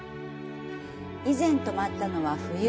以前泊まったのは冬。